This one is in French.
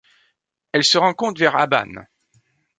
Elle se rencontre vers Habban.